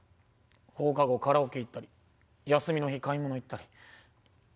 放課後カラオケ行ったり休みの日買い物行ったり。